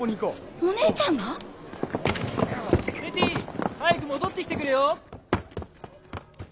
お姉ちゃんが⁉レティー早く戻って来てくれよ！